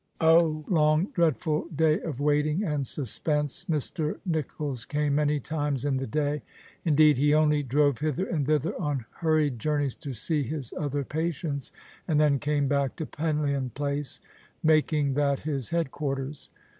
Oh that long, dreadful day of waiting and suspense ! Mr. Nicholls came many times in the day, indeed he only drove hither and thither on hurried journeys to see his other patients, and then came back to Penlyon Place, making that his head quarters.